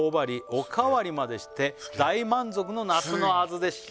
「おかわりまでして大満足の夏の味でした」